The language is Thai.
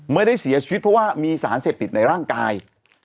ไม่ได้เสียชีวิตเพราะว่ามีสารเสพติดในร่างกาย